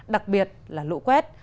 đặc biệt là lũ quét